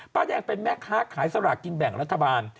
แดงเป็นแม่ค้าขายสลากกินแบ่งรัฐบาล